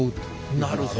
なるほど。